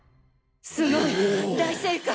すごい！大正解！！